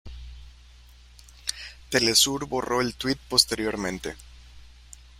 Telesur borró el tweet posteriormente.